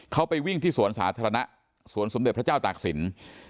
เขาไปวิ่งที่สวนสาธารณะสวนสมเด็จพระเจ้าตากศิลป์